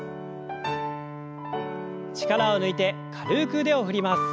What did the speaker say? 力を抜いて軽く腕を振ります。